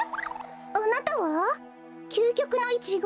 あなたはきゅうきょくのイチゴ？